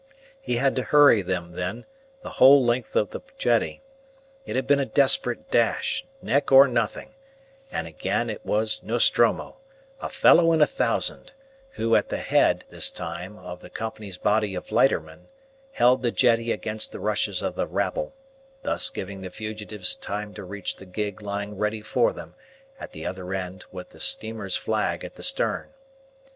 He had to hurry them then the whole length of the jetty; it had been a desperate dash, neck or nothing and again it was Nostromo, a fellow in a thousand, who, at the head, this time, of the Company's body of lightermen, held the jetty against the rushes of the rabble, thus giving the fugitives time to reach the gig lying ready for them at the other end with the Company's flag at the stern.